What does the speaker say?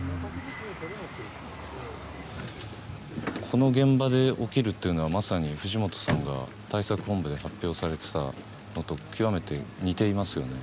この現場で起きるというのはまさに藤本さんが対策本部で発表されてたのと極めて似ていますよね？